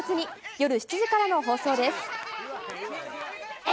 夜７時からの放送です。